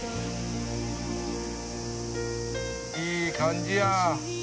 いい感じや。